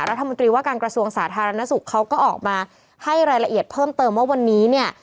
รัฐมนตรีว่าการกระทรวงสาธารณสุขเขาก็ออกมาให้รายละเอียดเพิ่มเติมว่าวันนี้เนี่ย